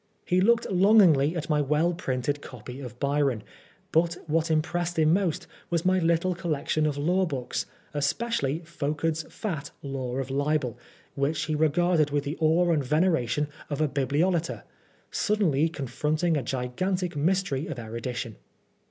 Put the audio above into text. He looked longingly at my well printed copy of Byron ; but what impressed him most was my little collection of law books, especially Folkard's fat "Law of Libel," which he regarded with the awe and veneration of a bibliolater, suddenly confronting a gigantic mystery of erudition.